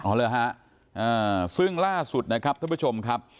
อ๋อเหรอฮะอ่าซึ่งล่าสุดนะครับท่านผู้ชมครับ